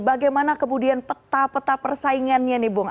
bagaimana kemudian peta peta persaingannya nih bung